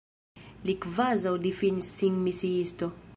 Li kvazaŭ difinis sin misiisto.